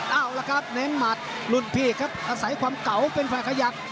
เอาละครับเน้นหมัดรุ่นพี่ครับอาศัยความเก่าเป็นฝ่ายขยับ